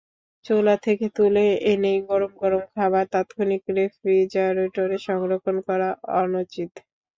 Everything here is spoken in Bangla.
চুলা থেকে তুলে এনেই গরম গরম খাবার তাৎক্ষণিক রেফ্রিজারেটরে সংরক্ষণ করা অনুচিত।